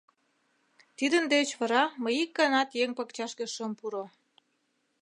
Тидын деч вара мый ик ганат еҥ пакчашке шым пурс.